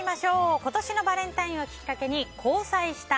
今年のバレンタインをきっかけに交際した。